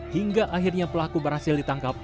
hingga akhirnya pelaku berhasil ditangkap